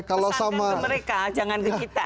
kalau ke mereka jangan ke kita